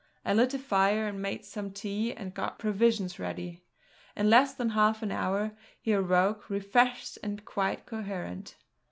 I lit a fire and made some tea and got provisions ready. In less than half an hour he awoke, refreshed and quite coherent.